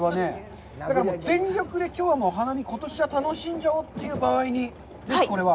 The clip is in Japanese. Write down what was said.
だから、全力できょうはお花見、ことしは楽しんじゃおうというときにぜひ、これは。